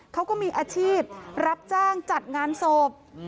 เขาก็มีอาชีพรับจ้างจัดงานศพ